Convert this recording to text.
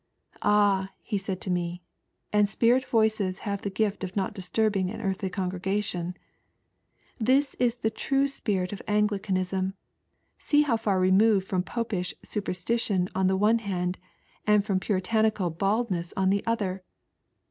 "Ah!" he said to me, and spirit voices have the gift of not disturbing an earthly congi'egation, "this is the true spirit of Anglicanism, see how far removed from Popish superstition on the one hand and from Puritanical lioldness on the other.